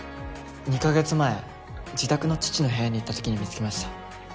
２か月前自宅の父の部屋に行ったときに見つけました。